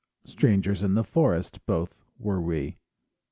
Strangers in the forest Both were we.